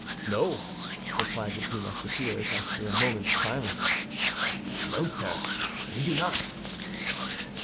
"No," replied the two Musketeers, after a moment's silence, "no, sir, we do not."